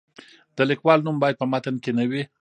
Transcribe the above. د لیکوال نوم باید په متن کې نه وي.